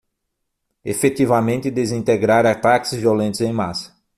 Efetivamente desintegrar ataques violentos em massa